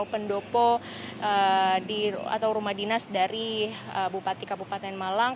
pendopo atau rumah dinas dari bupati kabupaten malang